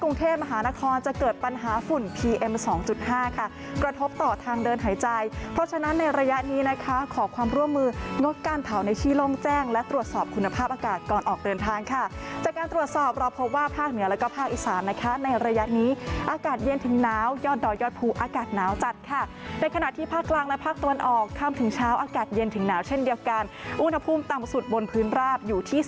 ในระยะนี้นะคะขอความร่วมมืองดการเผาในชีลงแจ้งและตรวจสอบคุณภาพอากาศก่อนออกเตินทางค่ะจากการตรวจสอบเราพบว่าภาคเหนียวและภาคอีสานนะคะในระยะนี้อากาศเย็นถึงหนาวยอดดอยอดภูอากาศหนาวจัดค่ะในขณะที่ภาคกลางและภาคต้นออกค่ำถึงเช้าอากาศเย็นถึงหนาวเช่นเดียวกันอุณหภู